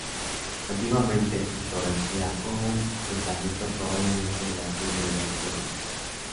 Antiguamente en Torrecilla hubo un asentamiento probablemente de la tribu de los Berones.